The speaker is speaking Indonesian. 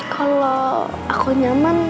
kalau aku nyaman